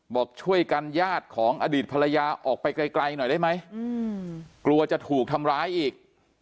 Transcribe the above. บอกช่วยกันญาติของอดีตภรรยาออกไปไกลหน่อยได้ไหมกลัวจะถูกทำร้ายอีก